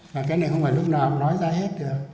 và cái này không phải lúc nào nói ra hết được